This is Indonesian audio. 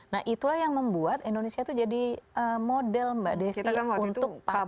nah itulah yang membuat indonesia itu jadi model mbak desi untuk park